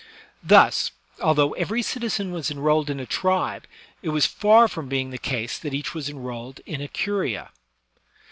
Thus, although every citizen was enrolled in a tribe, it was far from being the case that each was enrolled in a curia.